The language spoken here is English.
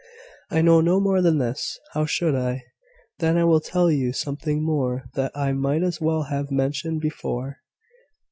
I know no more than this. How should I?" "Then I will tell you something more, that I might as well have mentioned before.